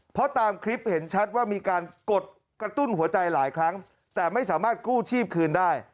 เพราะตามคลิปเห็นชัดว่ามีการกดกระตุ้นหัวใจหลายครั้งแต่ไม่สามารถกู้ชีพคืนได้